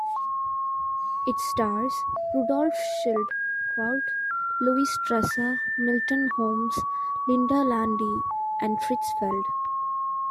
It stars Rudolph Schildkraut, Louise Dresser, Milton Holmes, Linda Landi, and Fritz Feld.